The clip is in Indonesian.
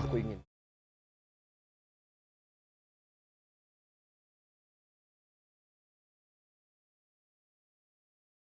betapa kementetianmu terhadap bella